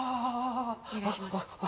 お願いします。